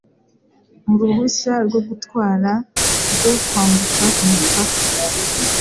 uruhushya rwo gutwara rwo kwambuka umupaka.